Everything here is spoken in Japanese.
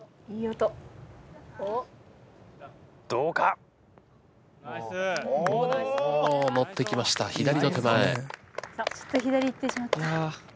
ちょっと左行ってしまった。